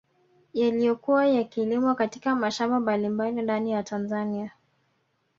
Yaliyokuwa yakilimwa katika mashamba mbalimbali ndani ya Tanzania